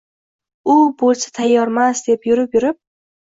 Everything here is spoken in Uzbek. U bo’lsa «tayyormas» deb yurib-yurib